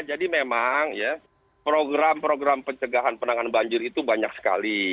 jadi memang program program pencegahan penanganan banjir itu banyak sekali